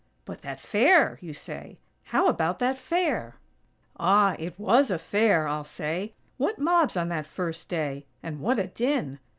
"But that fair!" you say. "How about that fair?" Ah! It was a fair, I'll say! What mobs on that first day! And what a din!!